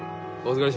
はい。